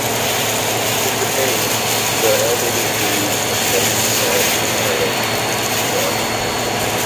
In Japan, the album was released with a bonus track entitled "Flood".